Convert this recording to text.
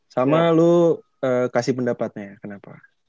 sama lu kasih pendapatnya kenapa